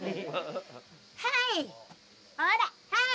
はいほらはい！